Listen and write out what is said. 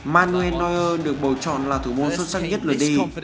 manuel neuer được bầu chọn là thủ mô xuất sắc nhất lượt đi